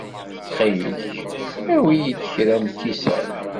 Ttxil-k, awi-iyi-d kra n lkisan.